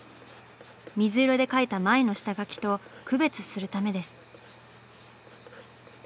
水色で描いた前の下描きと区別するためです。